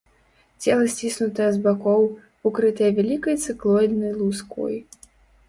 Цела сціснутае з бакоў, укрытае вялікай цыклоіднай луской.